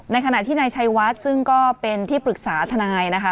ขณะที่นายชัยวัดซึ่งก็เป็นที่ปรึกษาทนายนะคะ